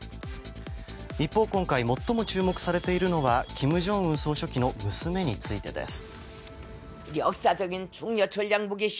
一方、今回最も注目されているのは金正恩総書記の娘についてです。